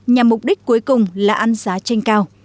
nhà mục đích cuối cùng là ăn giá tranh cao